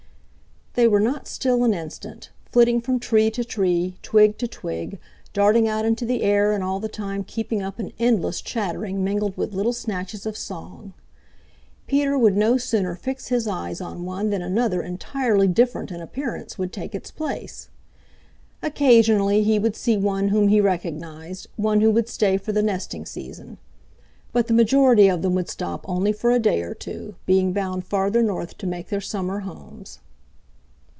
They were not still an instant, flitting from tree to tree, twig to twig, darting out into the air and all the time keeping up an endless chattering mingled with little snatches of song. Peter would no sooner fix his eyes on one than another entirely different in appearance would take its place. Occasionally he would see one whom he recognized, one who would stay for the nesting season. But the majority of them would stop only for a day or two, being bound farther north to make their summer homes.